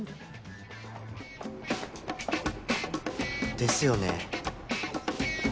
ですよね。